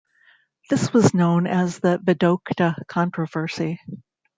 This was known as the Vedokta controversy.